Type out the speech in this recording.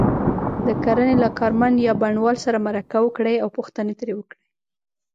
د کرنې له کارمند یا بڼوال سره مرکه وکړئ او پوښتنې ترې وکړئ.